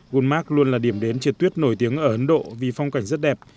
gulmarg luôn là điểm đến chiệt tuyết nổi tiếng ở ấn độ vì phong cảnh rất đẹp